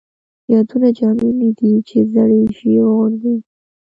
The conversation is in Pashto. یادونه جامې نه دي ،چې زړې شي وغورځيږي